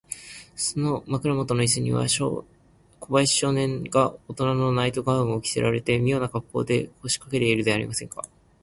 その枕もとのイスには、小林少年がおとなのナイト・ガウンを着せられて、みょうなかっこうで、こしかけているではありませんか。